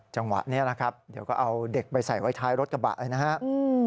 จังหวะนี้นะครับเดี๋ยวก็เอาเด็กไปใส่ไว้ท้ายรถกระบะเลยนะครับ